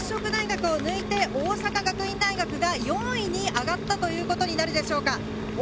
この拓殖大学を抜いて大阪学院大学が４位に上がったということになるでしょうか？